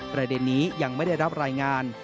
ประเด็นนี้ยังไม่ได้รับรายงาน